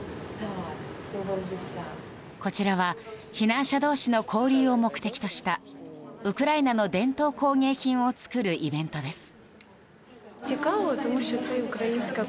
こちらは避難者同士の交流を目的としたウクライナの伝統工芸品を作るイベントです。